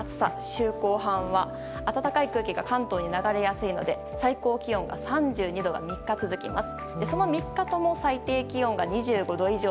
週後半は、暖かい空気が関東に流れ込みやすいので最高気温が３２度が３日続きます。